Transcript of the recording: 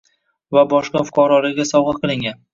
Va boshqa fuqarolarga sovg`a qilingan